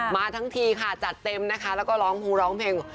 มาทั้งทีค่ะจัดเต็มนะคะแล้วก็ร้องพงร้องเพลง